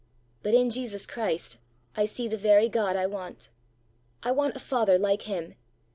But in Jesus Christ I see the very God I want. I want a father like him.